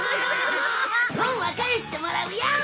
「本は返してもらうよ！」